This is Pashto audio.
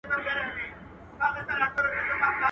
o چي زلزله وه ټنديي دي رانه کړه، اوس ئې خپلي مورته ورکړه.